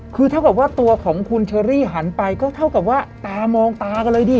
คือเท่ากับว่าตัวของคุณเชอรี่หันไปก็เท่ากับว่าตามองตากันเลยดิ